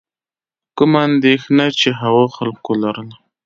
کومه اندېښنه چې هغو خلکو لرله.